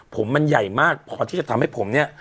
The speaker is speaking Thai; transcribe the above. ผมมันใหญ่มากพอที่จะทำให้ผมเนี่ย